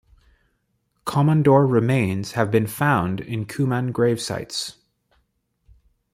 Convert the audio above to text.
Komondor remains have been found in Cuman gravesites.